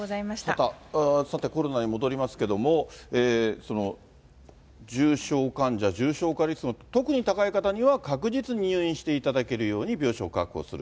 さて、コロナに戻りますけれども、重症患者、重症化率の特に高い方には、確実に入院していただけるように病床確保する。